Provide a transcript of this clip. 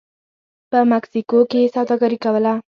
په مکسیکو کې یې سوداګري کوله